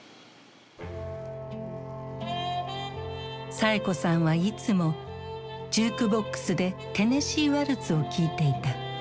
サエ子さんはいつもジュークボックスで「テネシー・ワルツ」を聴いていた。